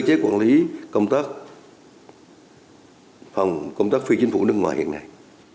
cơ chế quản lý công tác phi chính phủ nước ngoài hiện nay